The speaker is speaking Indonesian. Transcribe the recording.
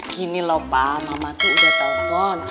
gini lho pak mamaku udah telpon